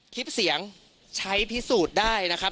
คลิปเสียงใช้พิสูจน์ได้นะครับ